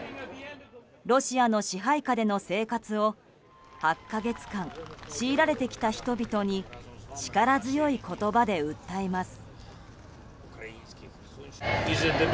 ロシアの支配下での生活を８か月間、強いられてきた人々に力強い言葉で訴えます。